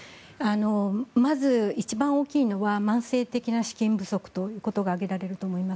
まず一番大きいのは慢性的な資金不足ということが挙げられます。